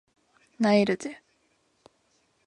萎えるぜ